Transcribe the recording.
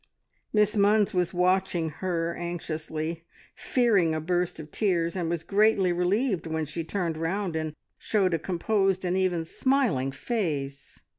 Miss Munns was watching her anxiously, fearing a burst of tears, and was greatly relieved when she turned round and showed a composed and even smiling face.